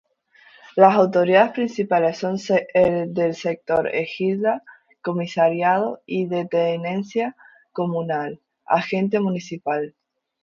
Las autoridades principales son de Sector Ejidal, ¨Comisariado¨ y de Tenencia Comunal, ¨Agente Municipal¨.